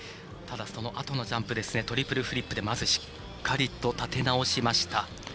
ただ、そのあとのジャンプトリプルフリップでまずしっかりと立て直しました。